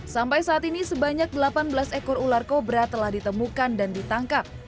sampai saat ini sebanyak delapan belas ekor ular kobra telah ditemukan dan ditangkap